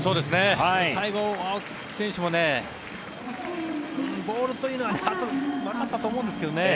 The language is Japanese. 最後、青木選手もボールというのはなかったと思うんですけどね。